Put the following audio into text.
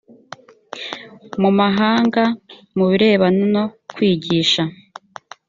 mu mahanga mu birebana no kwigisha